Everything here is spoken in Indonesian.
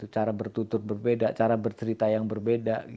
cara bertutur berbeda cara bercerita yang berbeda